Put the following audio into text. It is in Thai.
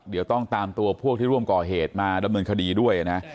เดี๋ยวต้องตามตัวพวกที่ร่วมก่อเหตุมาดำเนินคดีด้วยนะ